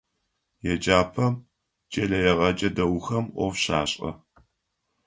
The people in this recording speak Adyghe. Еджапӏэм кӏэлэегъэджэ дэгъухэм ӏоф щашӏэ.